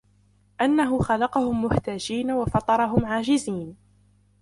أَنَّهُ خَلَقَهُمْ مُحْتَاجِينَ وَفَطَرَهُمْ عَاجِزِينَ